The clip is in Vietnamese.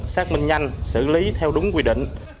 xác minh nhanh xử lý theo đúng quy định